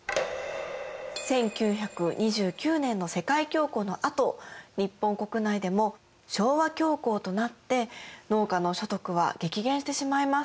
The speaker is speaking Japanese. １９２９年の世界恐慌のあと日本国内でも昭和恐慌となって農家の所得は激減してしまいます。